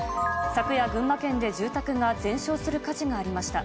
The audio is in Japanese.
昨夜、群馬県で住宅が全焼する火事がありました。